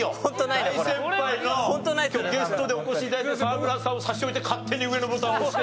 大先輩の今日ゲストでお越し頂いてる沢村さんを差し置いて勝手に上のボタン押して。